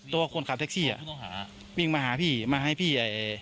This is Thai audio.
ตัวคนขับแท็กซี่อ่ะต้องหาวิ่งมาหาพี่มาให้พี่